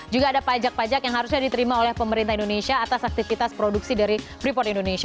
juga ada pajak pajak yang harusnya diterima oleh pemerintah indonesia atas aktivitas produksi dari freeport indonesia